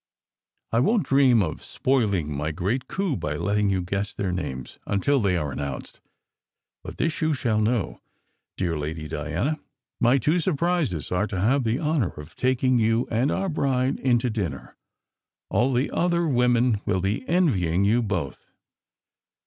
I won t dream of spoiling my great coup by letting you guess their names until they are announced; but this you shall know, dear Lady Diana: my two surprises are to have the honour of taking you and our bride in to dinner. All the other women will be envying you both."